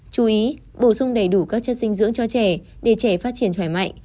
chú ý bổ sung đầy đủ các chất dinh dưỡng cho trẻ để trẻ phát triển thoải mạnh